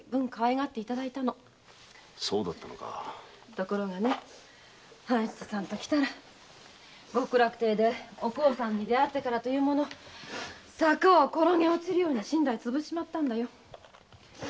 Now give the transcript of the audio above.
ところが半七さん極楽亭でお幸さんに出会ってからというもの坂を転げ落ちるように身代を潰したのよ。